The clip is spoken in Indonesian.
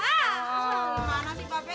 gimana sih pak pen